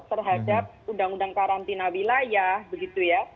terhadap undang undang karantina wilayah begitu ya